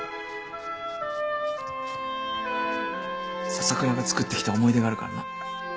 笹倉がつくってきた思い出があるからな。